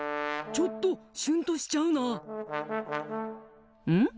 ちょっとシュンとしちゃうなあ。